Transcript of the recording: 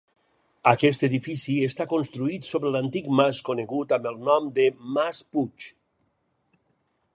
Aquest edifici està construït sobre l'antic mas conegut amb el nom de Mas Puig.